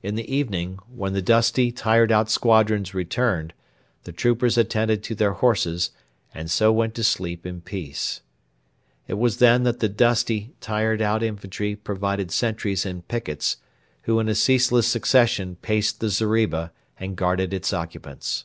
In the evening, when the dusty, tired out squadrons returned, the troopers attended to their horses, and so went to sleep in peace. It was then that the dusty, tired out infantry provided sentries and pickets, who in a ceaseless succession paced the zeriba and guarded its occupants.